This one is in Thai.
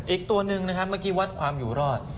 อีกตัวหนึ่งนะครับเมื่อกี้วัดความอยู่รอด